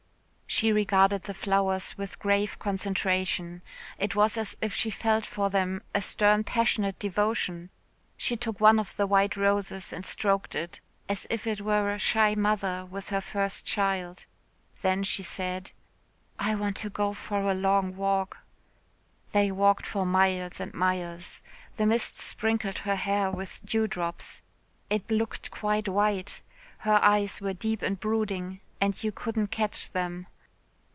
She regarded the flowers with grave concentration. It was as if she felt for them a stern passionate devotion. She took one of the white roses and stroked it as if it were a shy mother with her first child. Then she said: "I want to go for a long walk." They walked for miles and miles. The mist sprinkled her hair with dew drops. It looked quite white. Her eyes were deep and brooding and you couldn't catch them.